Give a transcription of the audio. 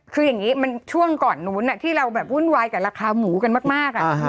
คืออย่างนี้มันช่วงก่อนนู้นที่เราแบบวุ่นวายกับราคาหมูกันมาก